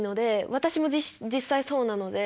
私も実際そうなので。